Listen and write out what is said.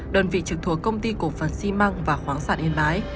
đơn vị trực thuộc công ty cổ phần xi măng và khoáng sản yên bái